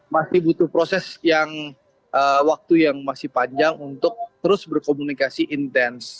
masih butuh proses yang waktu yang masih panjang untuk terus berkomunikasi intens